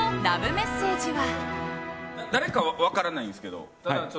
メッセージは。